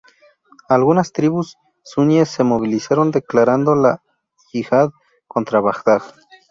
Algunas tribus suníes se movilizaron, declarando la yihad contra Bagdad.